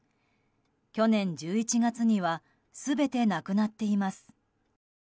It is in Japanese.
去年１１月には全てなくなっています。